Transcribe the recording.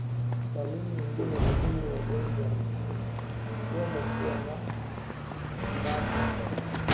Dalili nyingine muhimu ya ugonjwa wa miguu na midomo ni kuwa na ndama dhaifu